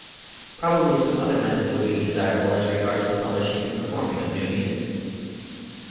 Probably some similar method would be desirable as regards the publishing and performing of new music.